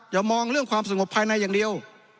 อย่ามองเรื่องความสงบภายในอย่างเดียว